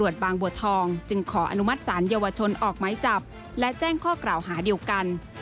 บางบัวทองจึงขออนุมัติศาลเยาวชนออกไม้จับและแจ้งข้อกล่าวหาเดียวกัน